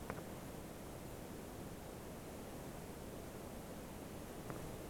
সোনালি, ফিরোজা, নীল, কমলা সবুজ, অ্যাশ রংয়ের পোশাক রাতের জন্য আরামদায়কও।